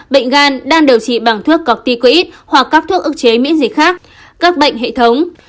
bệnh gan đang điều trị bằng thuốc corti quỹ hoặc các thuốc ức chế miễn dịch khác các bệnh hệ thống